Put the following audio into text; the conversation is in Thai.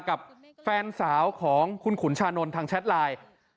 กับแฟนสาวของคุณขุนชานนท์ทางแชทไลน์